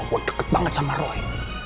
wah deket banget sama roy